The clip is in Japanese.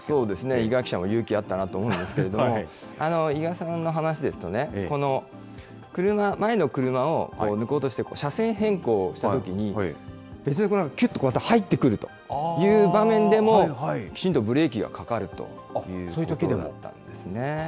伊賀記者も勇気あったなと思うんですけれども、伊賀さんの話ですとね、前の車を抜こうとして、車線変更をしたときに、別の車がきゅっと入ってくるという場面でもきちんとブレーキがかかるということだったんですね。